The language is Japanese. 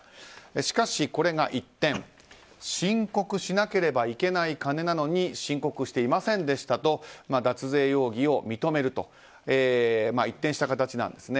しかしこれが一転申告しなければいけないお金なのに申告していませんでしたと脱税容疑を認めると一転した形なんですね。